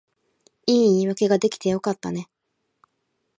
いい言い訳が出来てよかったね